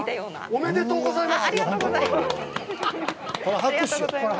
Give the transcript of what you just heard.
ありがとうございます。